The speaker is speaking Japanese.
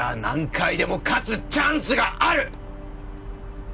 何回でも勝つチャンスがある！